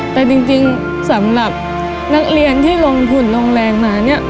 แต่จริงสำหรับนักเรียนที่ลงทุนลงแรงมาเนี่ย